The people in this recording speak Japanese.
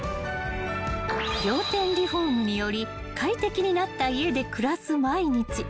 ［仰天リフォームにより快適になった家で暮らす毎日］